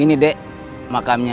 ini dek makamnya